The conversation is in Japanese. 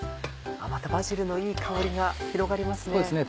バジルのいい香りが広がりますね。